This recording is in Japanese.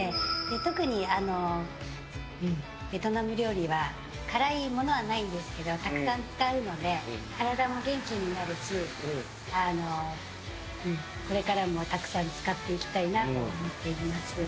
特にベトナム料理は辛いものはないんですけどたくさん使うので体も元気になるしこれからもたくさん使っていきたいなと思っています。